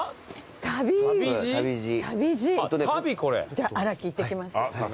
じゃあ荒木行ってきます。